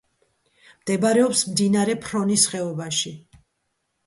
მდებარეობს მდინარე ფრონის ხეობაში.